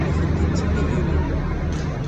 Nitenti d timidiwin.